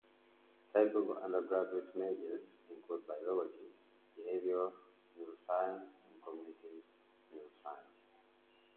Typical undergraduate majors include biology, behavioral neuroscience, and cognitive neuroscience.